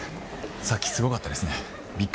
さっきすごかったですね。